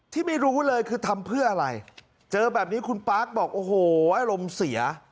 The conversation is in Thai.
ที่ไม่รู้เลยคือทำเพื่ออะไรเจอแบบนี้คุณปาร์คบอกโอ้โหอารมณ์เสีย